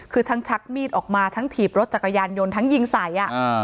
คือทั้งชักมีดออกมาทั้งถีบรถจักรยานยนต์ทั้งยิงใส่